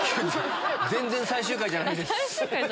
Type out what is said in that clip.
全然最終回じゃないです。